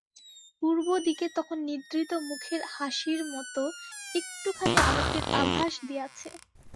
পূর্ব দিকে তখন নিদ্রিত মুখের হাসির মতো একটুখানি আলোকের আভাস দিয়াছে।